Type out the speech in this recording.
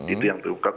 itu yang terukap